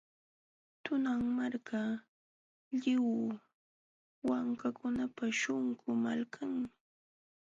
Tunan Marka, lliw wankakunapa śhunqu malkanmi.